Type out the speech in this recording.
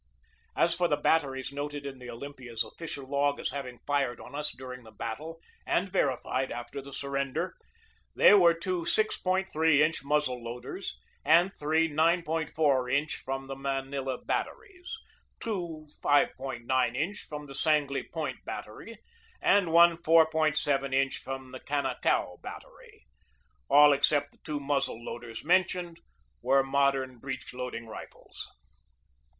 As for the batteries noted in the Olympiads offi cial log as having fired on us during the battle and verified after the surrender, they were two 6.3 inch muzzle loaders and three 94 inch from the Manila batteries; two 5.9 inch from the Sangley Point bat tery; and one 47 inch from the Canacao battery. All except the two muzzle loaders mentioned were modern breech loading rifles.